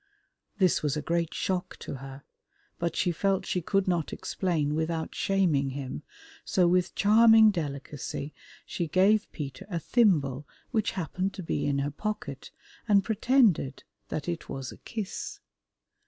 This was a great shock to her, but she felt she could not explain without shaming him, so with charming delicacy she gave Peter a thimble which happened to be in her pocket, and pretended that it was a kiss.